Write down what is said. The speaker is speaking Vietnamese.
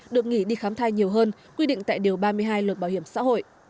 được nghỉ đi khám thai nhiều hơn quy định tại điều ba mươi hai luật bảo hiểm xã hội